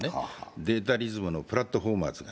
データリズムのプラットフォーマーズが。